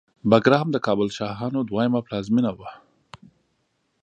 بګرام د کابل شاهانو دوهمه پلازمېنه وه